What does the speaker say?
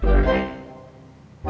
ngijinin putranya untuk tinggal sama saya